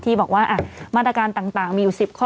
ที่บอกว่ามาตรการต่างมีอยู่๑๐ข้อ